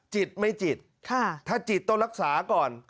จิตไม่จิตถ้าจิตต้องรักษาก่อน